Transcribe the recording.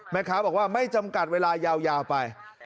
แม่ค้าบอกว่าไม่จำกัดเวลายาวไป